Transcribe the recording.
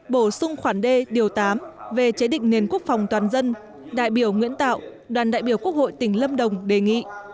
bổ sung khoản d điều tám về chế định nền quốc phòng toàn dân đại biểu nguyễn tạo đoàn đại biểu quốc hội tỉnh lâm đồng đề nghị